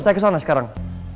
saya kesana sekarang